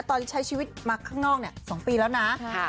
ตอนที่ใช้ชีวิตมาข้างนอกนี่๒ปีแล้วนะ